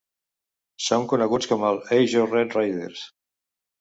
Són coneguts com els Ajo Red Raiders.